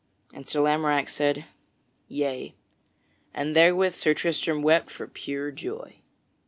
And Sir Lamorack said, "Yea." And therewith Sir Tristram wept for pure joy.